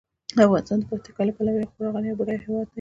افغانستان د پکتیکا له پلوه یو خورا غني او بډایه هیواد دی.